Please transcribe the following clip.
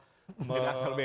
tidak asal beda